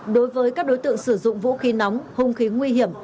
đối với các đối tượng sử dụng vũ khí nóng hung khí nguy hiểm